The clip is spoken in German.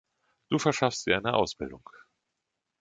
Du verschaffst dir eine Ausbildung.